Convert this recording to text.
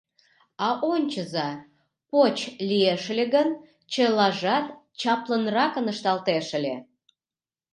А ончыза, поч лиеш ыле гын, чылажат чаплынракын ышталтеш ыле.